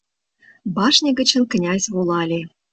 Башне гычын князь волале